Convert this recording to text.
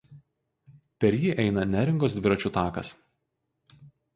Per jį eina Neringos dviračių takas.